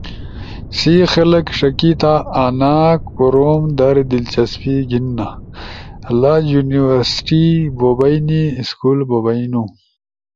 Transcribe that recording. سی خلگ ݜیکیا آنا کوروم در دلچسپی گھیننا۔ لا یونیورسٹی بو بئینی، سکول بو بئینو،